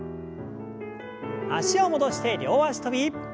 脚を戻して両脚跳び。